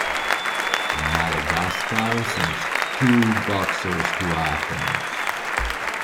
Madagascar sent two boxers to Athens.